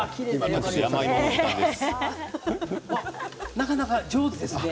なかなか上手ですね。